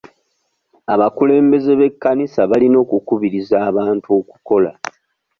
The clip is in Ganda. Abakulembeze b'ekkanisa balina okukubiriza abantu okukola.